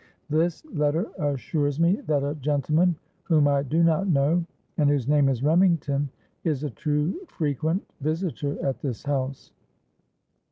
This letter assures me that a gentleman whom I do not know, and whose name is Remington, is a too frequent visitor at this house.